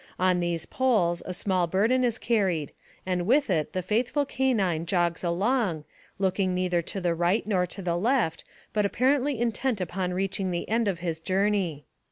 On these poles a small burden is carried, and with it the faithful canine jogs along, looking neither to the right nor to the left, but apparently intent upon reaching the end of his jour ney.